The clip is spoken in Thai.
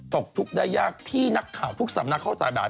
ตกทุกข์ได้ยากพี่นักข่าวทุกสำนักเขาจ่ายบาท